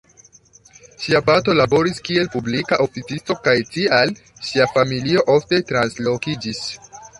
Ŝia patro laboris kiel publika oficisto kaj tial ŝia familio ofte translokiĝis.